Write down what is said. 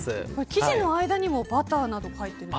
生地の間にもバターなど入ってると。